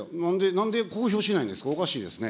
なんで公表しないんですか、おかしいですね。